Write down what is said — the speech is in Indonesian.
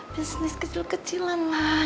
bisnis kecil kecilan lah